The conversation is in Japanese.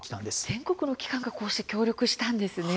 全国の機関が、こうして協力したんですね。